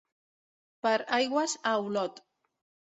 Per aigües a Olot.